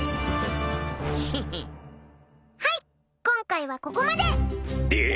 今回はここまで。